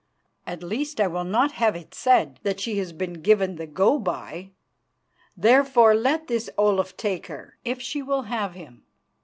At least, I will not have it said that she has been given the go by. Therefore, let this Olaf take her, if she will have him.